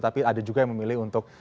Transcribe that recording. tapi ada juga yang memilih untuk